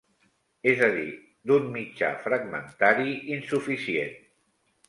És a dir, d'un mitjà fragmentari insuficient.